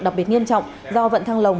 đặc biệt nghiêm trọng do vận thăng lồng